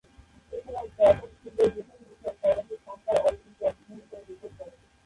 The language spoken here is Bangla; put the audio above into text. এছাড়াও ট্র্যাক এন্ড ফিল্ডের যে-কোন বিষয়ে সর্বাধিক সাতবার অলিম্পিকে অংশগ্রহণ করে রেকর্ড গড়েন।